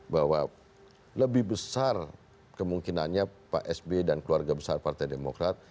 bahwa lebih besar kemungkinannya pak sby dan keluarga besar partai demokrat